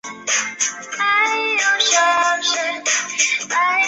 卡文拿在家乡球队泰拿华斯巴达出道。